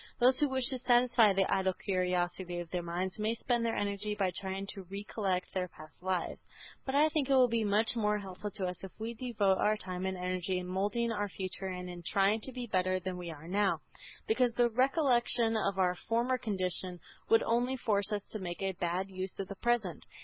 Those who wish to satisfy the idle curiosity of their minds may spend their energy by trying to recollect their past lives. But I think it will be much more helpful to us if we devote our time and energy in moulding our future and in trying to be better than we are now, because the recollection of our former condition would only force us to make a bad use of the present.